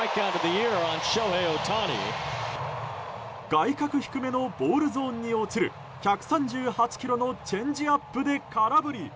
外角低めのボールゾーンに落ちる１３８キロのチェンジアップで空振り。